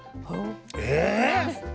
え⁉